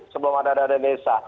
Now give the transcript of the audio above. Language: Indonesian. sebelum ada dana desa